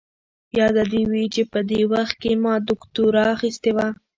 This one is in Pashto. ياده دې وي چې په دې وخت کې ما دوکتورا اخيستې وه.